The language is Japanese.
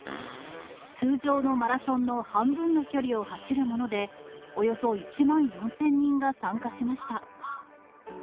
通常のマラソンの半分の距離を走るもので、およそ１万４０００人が参加しました。